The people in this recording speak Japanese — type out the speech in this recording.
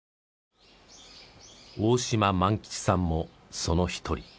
大島満吉さんもその一人。